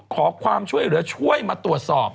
ขอความช่วยเหลือช่วยมาตรวจสอบ